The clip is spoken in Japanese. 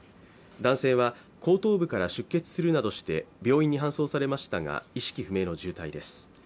男性は後頭部から出血するなどして、病院に搬送されましたが、意識不明の重体です。